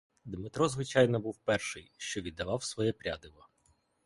Дмитро, звичайно, був перший, що віддавав своє прядиво.